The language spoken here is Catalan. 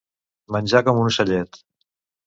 Menjar com un ocellet.